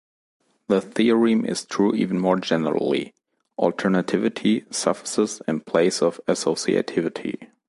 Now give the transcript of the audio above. The theorem is true even more generally: alternativity suffices in place of associativity.